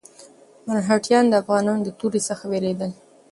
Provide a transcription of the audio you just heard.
مرهټیان د افغانانو له تورې څخه وېرېدل.